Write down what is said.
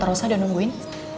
terserah udah nungguin